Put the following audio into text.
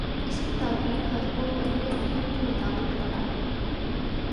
اس کی تعبیر ہر کوئی اپنے فہم کے مطابق کر تا ہے۔